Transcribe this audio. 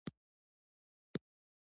خېر دۍ راته وويه چې څه خبره ده